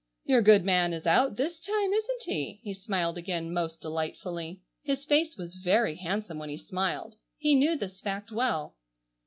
"Your good man is out this time, isn't he?" he smiled again most delightfully. His face was very handsome when he smiled. He knew this fact well.